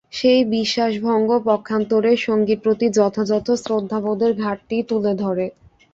সেই বিশ্বাস ভঙ্গ পক্ষান্তরে সঙ্গীর প্রতি যথাযথ শ্রদ্ধাবোধের ঘাটতিই তুলে ধরে।